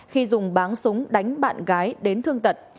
khi dùng bán súng đánh bạn gái đến thương tật